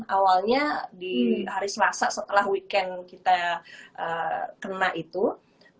awalnya di hari selasa setelah weekend kita berada di sana